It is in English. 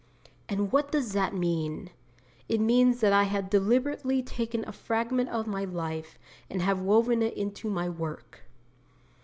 And what does that mean? It means that I have deliberately taken a fragment of my life and have woven it into my work.